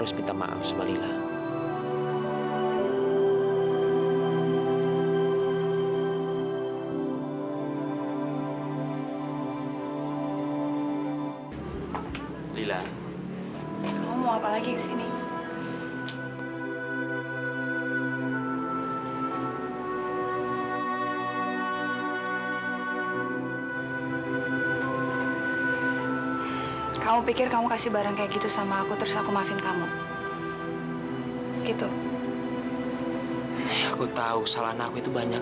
sampai jumpa di video selanjutnya